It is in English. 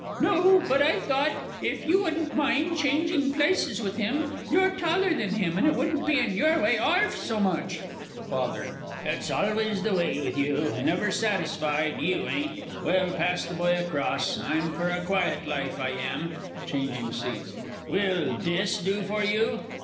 No but I thought, if you wouldn't mind changing places with him you're taller than him, and it wouldn't be in your way 'arf so much. FATHER. It's always the way with you never satisfied, you ain't! Well, pass the boy across I'm for a quiet life, I am. (Changing seats.) Will this do for you?